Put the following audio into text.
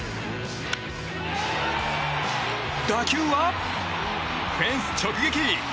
打球は、フェンス直撃。